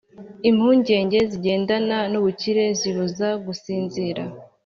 impungenge zigendana n’ubukire zibuza gusinzira.